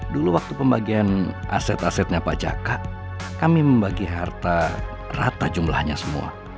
dulu waktu pembagian aset asetnya pak jaka kami membagi harta rata jumlahnya semua